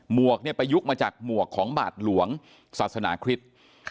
วกไปยุกต์มาจากหมวกของบาทหลวงศาสนาคริสต์